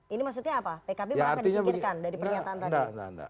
ini maksudnya apa pkb merasa disingkirkan dari pernyataan tadi